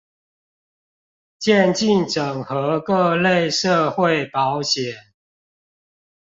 漸進整合各類社會保險